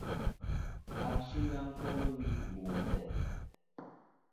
Ashɨng a kel wi Bo ntè.